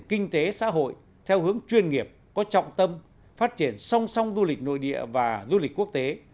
kinh tế xã hội theo hướng chuyên nghiệp có trọng tâm phát triển song song du lịch nội địa và du lịch quốc tế